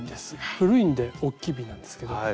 古いんでおっきい瓶なんですけど。